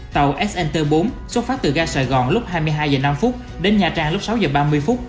tàu snt bốn xuất phát từ ga sài gòn lúc hai mươi hai h năm đến nha trang lúc sáu h ba mươi phút